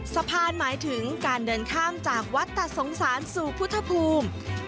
สะพานหมายถึงการเดินข้ามจากวัดตัดสงสารสู่พุทธภูมิ